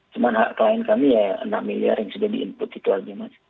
cuma hak klien kami ya enam miliar yang sudah di input itu aja mas